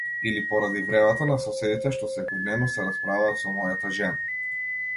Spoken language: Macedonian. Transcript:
Или поради вревата на соседите што секојдневно се расправаат со мојата жена?